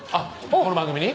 この番組に？